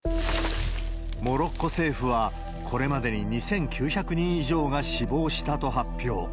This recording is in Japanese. モロッコ政府は、これまでに２９００人以上が死亡したと発表。